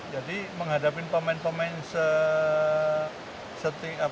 jadi menghadapi pemain pemain